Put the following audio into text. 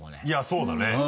いやそうだね。